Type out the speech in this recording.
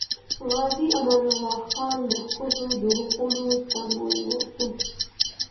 غازي امان الله خان د ښځو د حقونو سمبول سو.